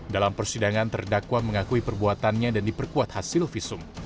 dalam persidangan terdakwa mengakui perbuatannya dan diperkuat hasil visum